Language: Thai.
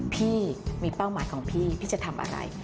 พี่มีเป้าหมายของพี่พี่จะทำอะไร